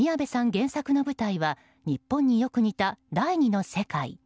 原作の舞台は日本によく似た第２の世界。